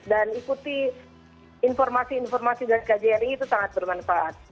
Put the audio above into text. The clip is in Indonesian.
dan ikuti informasi informasi dari kjri itu sangat bermanfaat